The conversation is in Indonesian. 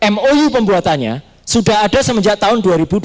mou pembuatannya sudah ada semenjak tahun dua ribu dua belas